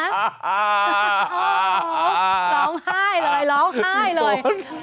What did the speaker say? โอ้โหร้องไห้เลยร้องไห้เลย